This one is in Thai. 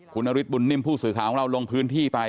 คุณนฤทธบุญนิ่มผู้สื่อข่าวของเราลงพื้นที่ไป